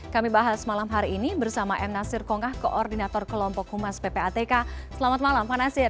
kami bahas malam hari ini bersama m nasir kongah koordinator kelompok humas ppatk selamat malam pak nasir